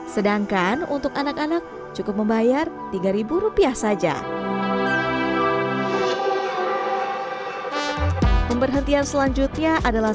sedangkan untuk anak anak cukup membayar tiga ribu rupiah saja pemberhentian selanjutnya adalah